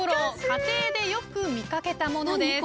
家庭でよく見掛けたものです。